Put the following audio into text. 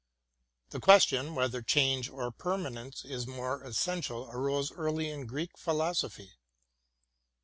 The question whether change or permanence is more essential arose early in Greek philosophy.